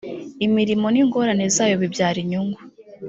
imirimo n ingorane zayo bibyara inyungu